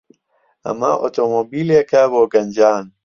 ئەمە ئۆتۆمۆبیلێکە بۆ گەنجان.